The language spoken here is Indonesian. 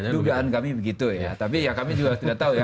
dugaan kami begitu ya tapi ya kami juga tidak tahu ya